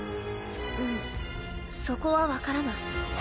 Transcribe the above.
うんそこは分からない。